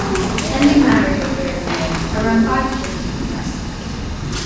Pending matters are fairly low, around five to fifteen percent.